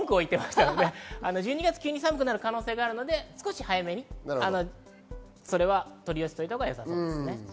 １２月、急に寒くなる可能性があるので早めに取り寄せたほうがよさそうです。